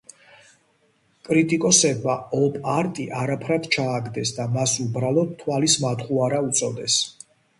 კრიტიკოსებმა ოპ-არტი არაფრად ჩააგდეს და მას უბრალოდ თვალის მატყუარა უწოდეს.